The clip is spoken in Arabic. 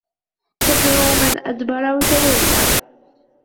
تدعو من أدبر وتولى